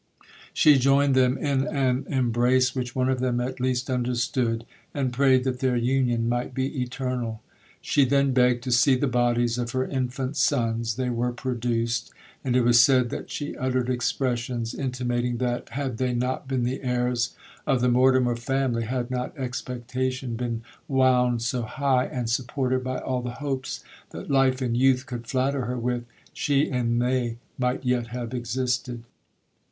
She joined them in an embrace which one of them at least understood, and prayed that their union might be eternal. She then begged to see the bodies of her infant sons—they were produced; and it was said that she uttered expressions, intimating that, had they not been the heirs of the Mortimer family—had not expectation been wound so high, and supported by all the hopes that life and youth could flatter her with,—she and they might yet have existed.